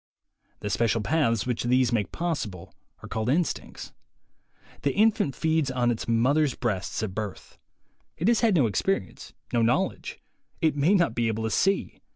The special paths which these make possible are called instincts. The in fant feeds on its mother's breasts at birth. It has had no experience, no knowledge; it may not be able to see.